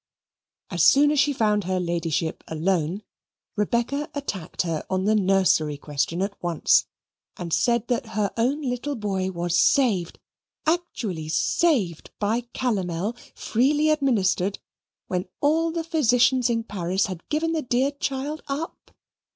As soon as she found her Ladyship alone, Rebecca attacked her on the nursery question at once and said that her own little boy was saved, actually saved, by calomel, freely administered, when all the physicians in Paris had given the dear child up.